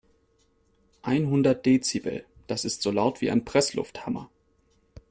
Einhundert Dezibel, das ist so laut wie ein Presslufthammer.